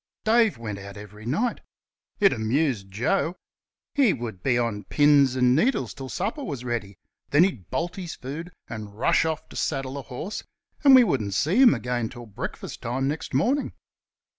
Dave went out every night. It amused Joe. He would be on pins and needles till supper was ready, then he'd bolt his food and rush off to saddle a horse, and we wouldn't see him again till breakfast time next morning.